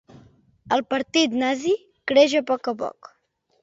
El Partit Nazi creix a poc a poc.